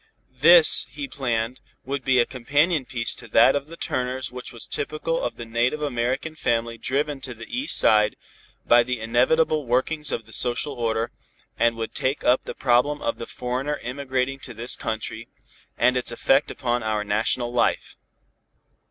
This, he planned, would be a companion piece to that of the Turners which was typical of the native American family driven to the East Side by the inevitable workings of the social order, and would take up the problem of the foreigner immigrating to this country, and its effect upon our national life.